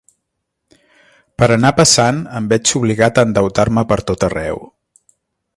Per anar passant, em veig obligat a endeutar-me pertot arreu;